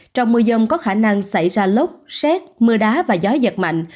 trong mưa dông có khả năng xảy ra lốc xét mưa đá và gió giật mạnh